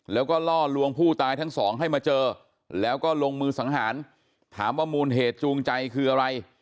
แล้วก็ล่อลวงผู้ตายทั้งสองให้มาเจอแล้วก็ลงมือสังหารถามว่ามูลเหตุจูงใจคืออะไร